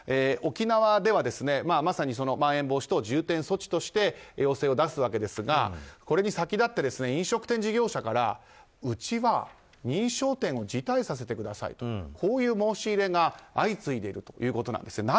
沖縄では、まさにまん延防止等重点措置として要請を出すわけですがこれに先立って飲食店事業者から、うちは認証店を辞退させてくださいと申し入れが相次いでいるんです。